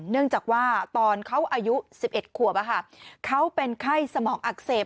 เนื่องจากว่าตอนเขาอายุ๑๑ขวบเขาเป็นไข้สมองอักเสบ